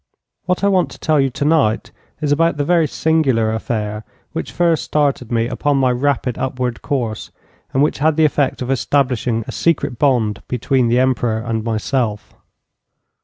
What I want to tell you tonight is about the very singular affair which first started me upon my rapid upward course, and which had the effect of establishing a secret bond between the Emperor and myself.